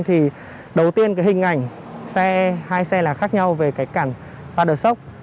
thì đầu tiên cái hình ảnh hai xe là khác nhau về cái cản paddler shock